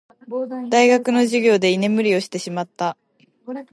大学の授業で居眠りをしてしまった。